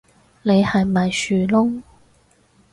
你係咪樹窿